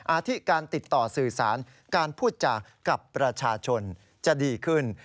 ที่การติดต่อสื่อสารการพูดจากับประชาชนจะดีขึ้น